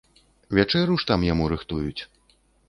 Вячэру ж там яму рыхтуюць.